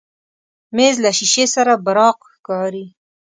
مېز له شیشې سره براق ښکاري.